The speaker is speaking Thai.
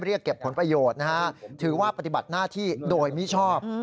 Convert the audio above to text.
เรียกเก็บผลประโยชน์นะฮะถือว่าปฏิบัติหน้าที่โดยมิชอบ